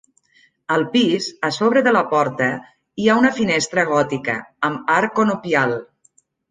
Al pis, a sobre de la porta hi ha una finestra gòtica amb arc conopial.